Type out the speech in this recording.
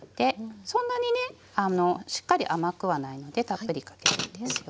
そんなにねしっかり甘くはないのでたっぷりかけていいですよ。